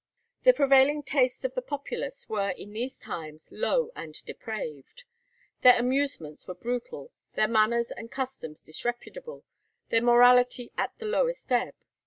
The prevailing tastes of the populace were in these times low and depraved. Their amusements were brutal, their manners and customs disreputable, their morality at the lowest ebb.